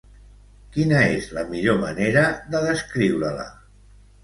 Quina és la millor manera de descriure-la?